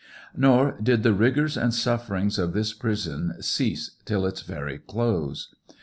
Nor did the rigors and sufferings of this prison cease till its very close.